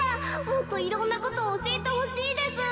もっといろんなことおしえてほしいです。